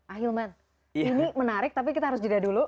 ah yulman ini menarik tapi kita harus jeda dulu